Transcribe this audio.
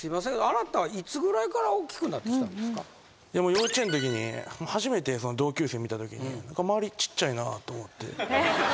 幼稚園のときに初めて同級生見たときに周りちっちゃいなと思って。